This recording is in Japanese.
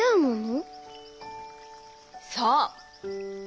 そう。